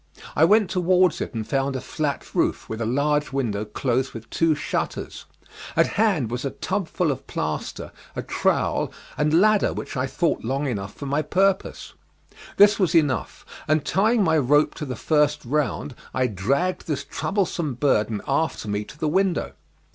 I went towards it and found a flat roof, with a large window closed with two shutters. At hand was a tubful of plaster, a trowel, and ladder which I thought long enough for my purpose. This was enough, and tying my rope to the first round I dragged this troublesome burden after me to the window.